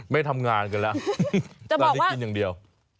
ไม่ทำงานกันแล้วตอนนี้กินอย่างเดียว